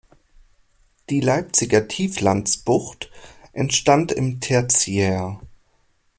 Die Leipziger Tieflandsbucht entstand im Tertiär.